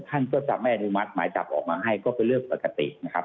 ท่านก็จะไม่อนุมัติหมายจับออกมาให้ก็เป็นเรื่องปกตินะครับ